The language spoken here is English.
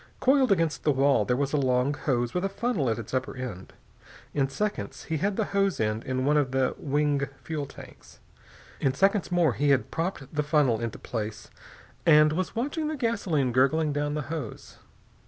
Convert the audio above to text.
Coiled against the wall there was a long hose with a funnel at its upper end. In seconds he had the hose end in one of the wing fuel tanks. In seconds more he had propped the funnel into place and was watching the gasoline gurgling down the hose.